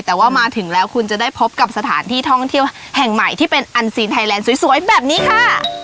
แต่ว่ามาถึงแล้วคุณจะได้พบกับสถานที่ท่องเที่ยวแห่งใหม่ที่เป็นอันซีนไทยแลนด์สวยแบบนี้ค่ะ